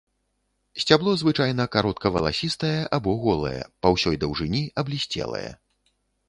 Сцябло звычайна каротка валасістае або голае, па ўсёй даўжыні аблісцелае.